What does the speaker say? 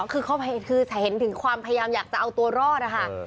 คือเห็นถึงความพยายามอยากจะเอาตัวรอดนะคะ